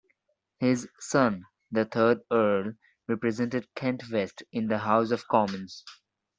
His son, the third Earl, represented Kent West in the House of Commons.